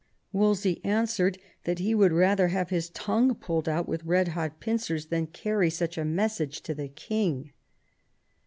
Wolsey answered that he would rather have his tongue pulled out with red hot pincers than carry such a message to the king.